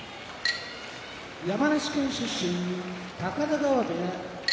山梨県出身高田川部屋